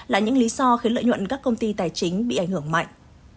là những lý do khiến lợi nhuận các công ty tài chính bị ảnh hưởng mạnh